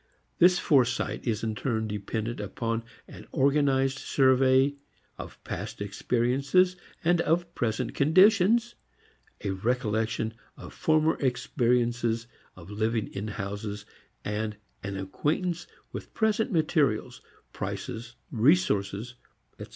This foresight is in turn dependent upon an organized survey of past experiences and of present conditions, a recollection of former experiences of living in houses and an acquaintance with present materials, prices, resources, etc.